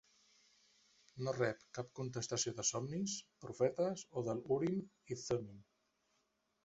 No rep cap contestació de somnis, profetes, o del Urim i Thummim.